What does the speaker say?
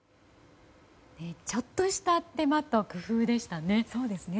ちょっとした手間と工夫でしたね。